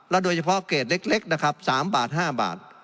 โดยเฉพาะเกรดเล็กนะครับ๓บาท๕บาท